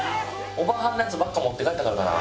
オバハンのやつばっか持って帰ったからかな。